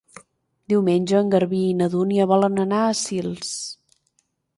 Diumenge en Garbí i na Dúnia volen anar a Sils.